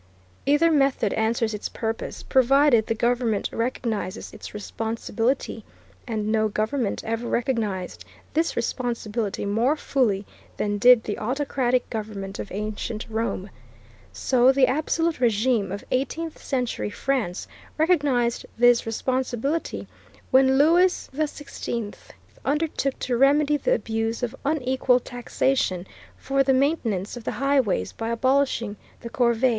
Either method answers its purpose, provided the government recognizes its responsibility; and no government ever recognized this responsibility more fully than did the autocratic government of ancient Rome. So the absolute régime of eighteenth century France recognized this responsibility when Louis XVI undertook to remedy the abuse of unequal taxation, for the maintenance of the highways, by abolishing the corvée.